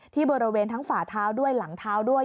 ที่บริเวณทั้งฝ่าเท้าด้วยหลังเท้าด้วย